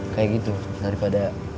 kayak gitu daripada